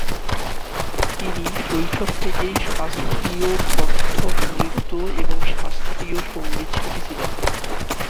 তিনি শৈশব থেকেই শাস্ত্রীয় কত্থক নৃত্য এবং শাস্ত্রীয় সংগীত শিখেছিলেন।